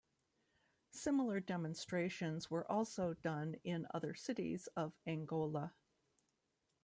Similar demonstrations were also done in other cities of Angola.